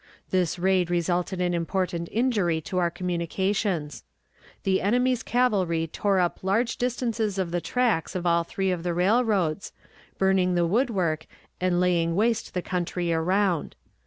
This raid resulted in important injury to our communications. The enemy's cavalry tore up large distances of the tracks of all three of the railroads, burning the wood work and laying waste the country around.